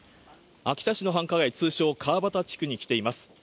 秋田市の繁華街、通称・川反地区に来ています。